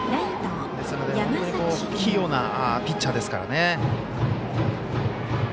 ですので、器用なピッチャーですからね。